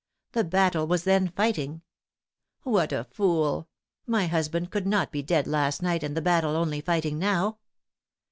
The battle was then fighting. What a fool! my husband could not be dead last night, and the battle only fighting now!